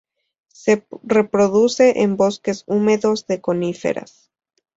Se reproduce en bosques húmedos de coníferas.